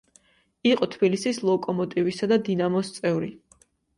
იყო თბილისის „ლოკომოტივისა“ და „დინამოს“ წევრი.